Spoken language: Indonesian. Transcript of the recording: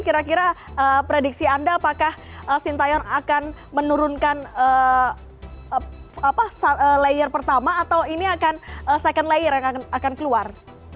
kira kira prediksi anda apakah sintayong akan menurunkan layer pertama atau ini akan second layer yang akan keluar